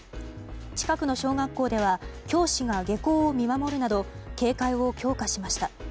近くの小学校では教師が下校を見守るなど警戒を強化しました。